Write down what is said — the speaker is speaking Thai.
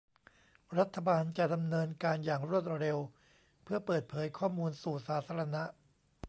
รัฐบาลจะดำเนินการอย่างรวดเร็วเพื่อเปิดเผยข้อมูลสู่สาธารณะ